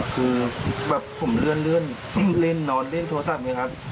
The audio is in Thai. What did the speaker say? คือแบบผมเลื่อนเล่นนอนเล่นโทรศัพท์ไหมครับ